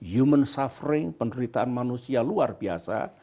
human suffering penderitaan manusia luar biasa